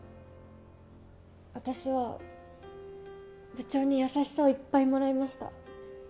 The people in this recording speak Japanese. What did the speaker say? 私は部長に優しさをいっぱいもらいました。